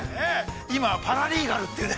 今はパラリーガルというね。